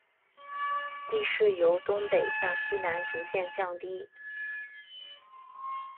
地势由东北向西南逐渐降低。